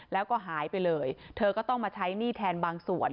แล้วก็หายไปเลยเธอก็ต้องมาใช้หนี้แทนบางส่วน